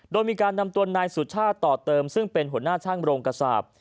โดยมีการนำตัวนายสุชาติต่อเติมซึ่งเป็นหัวหน้าช่างโรงกระสาป